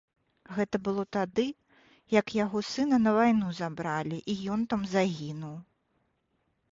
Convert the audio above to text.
Гэта было тады, як яго сына на вайну забралі і ён там загінуў.